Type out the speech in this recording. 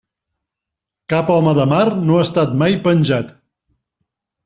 Cap home de mar no ha estat mai penjat.